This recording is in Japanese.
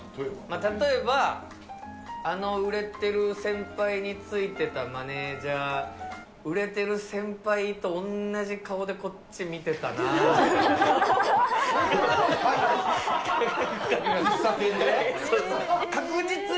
例えば、あの売れてる先輩についてたマネジャー、売れてる先輩とおんなじ顔でこっち見てたなーとか。